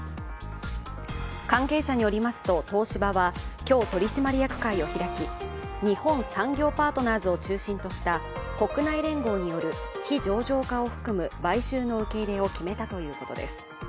関係者によりますと東芝は今日、取締役会を開き日本産業パートナーズを中心とした国内連合による非上場化を含む買収の受け入れを決めたということです。